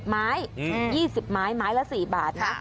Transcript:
ไม้๒๐ไม้ไม้ละ๔บาทนะ